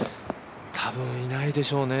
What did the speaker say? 多分、いないでしょうね